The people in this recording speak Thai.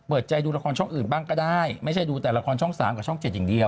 เปิดใจดูละครช่องอื่นบ้างก็ได้ไม่ใช่ดูแต่ละครช่อง๓กับช่องเจ็ดอย่างเดียว